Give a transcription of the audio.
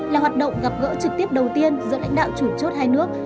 là hoạt động gặp gỡ trực tiếp đầu tiên giữa lãnh đạo chủ chốt hai nước